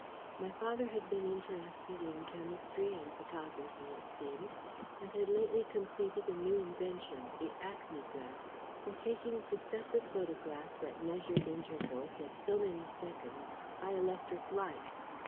My father had been interested in chemistry and photography, it seemed, and had lately completed a new invention, the acmegraph, for taking successive photographs at measured intervals of so many seconds by electric light.